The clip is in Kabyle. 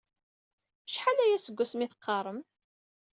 Acḥal aya seg asmi i teqqaṛem?